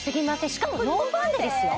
しかもノーファンデですよ